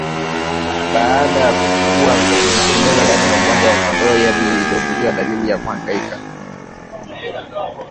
baada ya kukua hujipenyeza ndani ya ubongo wa kondoo hali inayozua dalili za kuhangaika